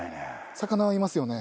魚はいますよね？